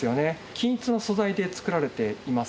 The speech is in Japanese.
均一の素材で作られています。